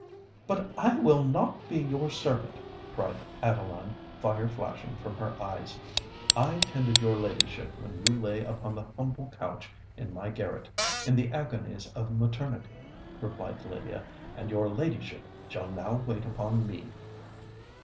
"But I will not be your servant!" cried Adeline, fire flashing from her eyes. "I tended your ladyship when you lay upon the humble couch in my garret, in the agonies of maternity," replied Lydia; "and your ladyship shall now wait upon me."